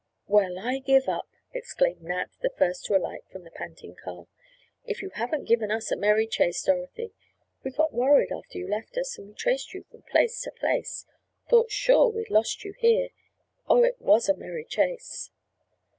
"Well, I give up!" exclaimed Nat, the first to alight from the panting car. "If you haven't given us a merry chase, Dorothy! We got worried after you left us and we traced you from place to place. Thought sure we'd lost you here. Oh, it was a merry chase."